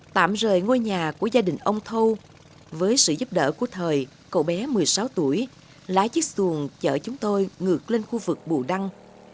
tạm rời ngôi nhà của gia đình ông thâu với sự giúp đỡ của thời cậu bé một mươi sáu tuổi lái chiếc xuồng chở chúng tôi ngược lên khu vực bù đăng